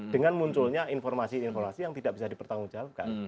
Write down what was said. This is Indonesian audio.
dengan munculnya informasi informasi yang tidak bisa dipertanggungjawabkan